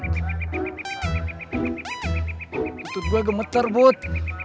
tutut gue agak mecar bud